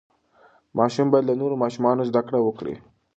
ماشوم باید له نورو ماشومانو زده کړه وکړي.